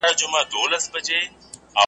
څه بې مالکه افغانستان دی .